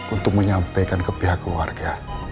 untuk menyampaikan ke pihak keluarga